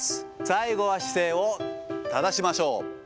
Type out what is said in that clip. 最後は姿勢を正しましょう。